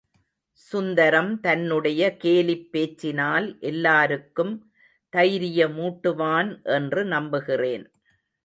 சுந்தரம் தன்னுடைய கேலிப் பேச்சினால் எல்லாருக்கும் தைரியமூட்டுவான் என்று நம்புகிறேன்.